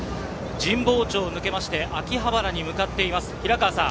神保町を抜けて、秋葉原に向かっています。